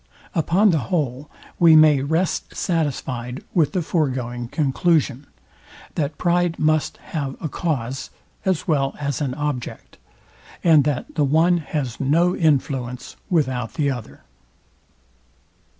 Upon the whole, we may rest satisfyed with the foregoing conclusion, that pride must have a cause, as well as an object, and that the one has no influence without the other.